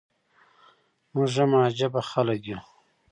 موږ هم عجبه خلک يو.